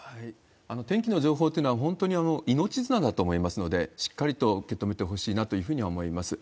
天気の情報っていうのは、本当に命綱だと思いますので、しっかりと受け止めてほしいなというふうには思います。